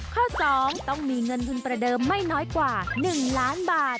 ข้อ๒ต้องมีเงินทุนประเดิมไม่น้อยกว่า๑ล้านบาท